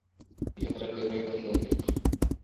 ইহার আদিও নাই, অন্তও নাই।